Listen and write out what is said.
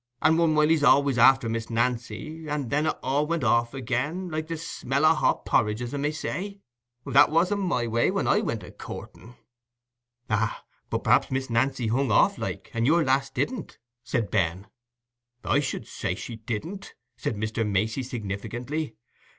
And one while he was allays after Miss Nancy, and then it all went off again, like a smell o' hot porridge, as I may say. That wasn't my way when I went a coorting." "Ah, but mayhap Miss Nancy hung off, like, and your lass didn't," said Ben. "I should say she didn't," said Mr. Macey, significantly.